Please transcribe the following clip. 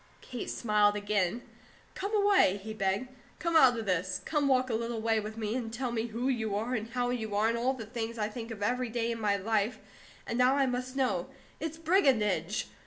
Kate smiled again. "Come away," he begged. "Come out of this. Come walk a little way with me, and tell me WHO you are, and HOW you are, and all the things I think of every day of my life, and now I must know. It's brigandage!